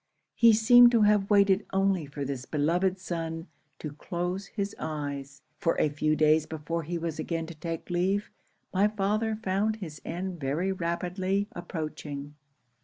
He seemed to have waited only for this beloved son to close his eyes; for a few days before he was again to take leave, my father found his end very rapidly approaching.